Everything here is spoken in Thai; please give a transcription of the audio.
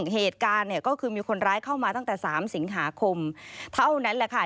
เหตุการณ์เนี่ยก็คือมีคนร้ายเข้ามาตั้งแต่๓สิงหาคมเท่านั้นแหละค่ะ